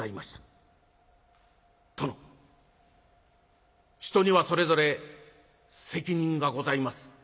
殿人にはそれぞれ責任がございます。